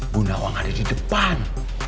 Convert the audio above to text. bunda wang ada di depan